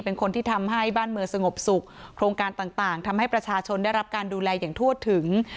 เป็นคนที่ทำให้บ้านเมืองสงบสุขโครงการต่างทำให้ประชาชนได้รับการดูแลอย่างทั่วถึง